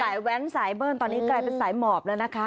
แว้นสายเบิ้ลตอนนี้กลายเป็นสายหมอบแล้วนะคะ